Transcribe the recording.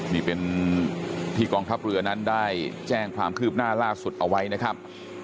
นี่เป็นที่กองทัพเรือนั้นได้แจ้งความคืบหน้าล่าสุดเอาไว้นะครับ